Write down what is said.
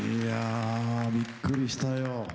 びっくりしたよ。